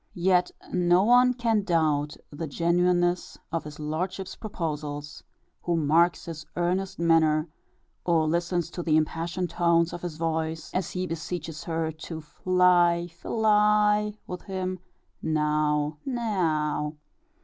Yet no one can doubt the genuineness of his lordship's proposals, who marks his earnest manner, or listens to the impassioned tones of his voice as he beseeches her to Fly, fil ly with him now, ne ow w.